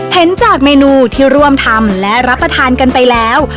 เห็นจากเมนูที่ร่วมทำและรับประทานกันไปแล้ว